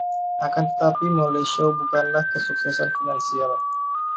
Akan tetapi, Mole Show bukanlah kesuksesan finansial.